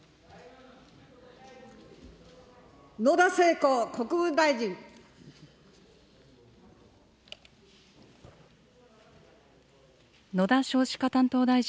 野田聖子国務大臣。